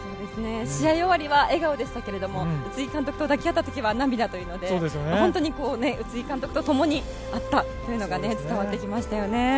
試合終わりは笑顔でしたけども宇津木監督と抱き合った時は涙というので本当に宇津木監督と共にあったというのが伝わってきましたよね。